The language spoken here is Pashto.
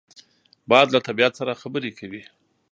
باد له طبیعت سره خبرې کوي